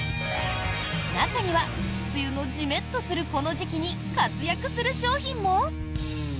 中には梅雨のジメッとするこの時期に活躍する商品も？